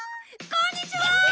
こんにちはー！